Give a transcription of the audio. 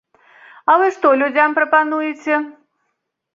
А вы што людзям прапануеце?